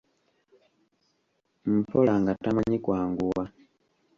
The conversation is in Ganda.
Mpola nga tamanyi kwanguwa.